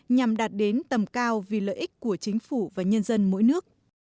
nhằm đạt đến tầm cao vì lợi ích của chính phủ và nhân dân mỗi nước